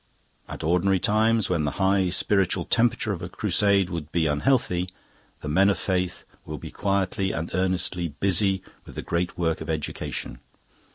At ordinary times, when the high spiritual temperature of a Crusade would be unhealthy, the Men of Faith will be quietly and earnestly busy with the great work of education.